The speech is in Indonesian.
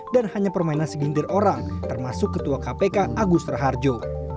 dan hanya permainan segintir orang termasuk ketua kpk agus raharjo